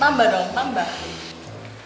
tambah dong tambah